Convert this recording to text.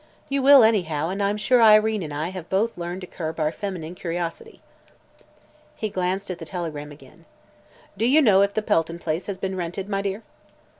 "You will, anyhow, and I'm sure Irene and I have both learned to curb our feminine curiosity." He glanced at the telegram again. "Do you know if the Pelton place has been rented, my dear?"